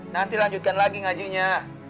nanti lanjutkan lagi ngajinya